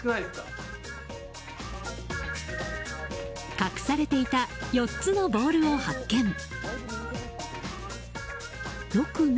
隠されていた４つのボールを発見。